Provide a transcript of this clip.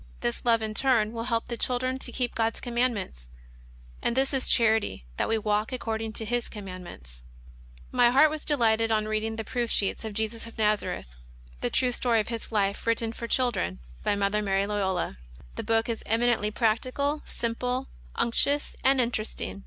This love, in turn, will help the children to keep God's commandments: "And this is charity, that we walk according to His commandments." (11. John. 1. 6.) My heart was delighted <m reading the proof sheets of *^ Jesus of iSTazareth : The Story of His Life, Written for Children," by Mother Mary Loyola. The book is eminently practical, simple, unctuous, and interesting.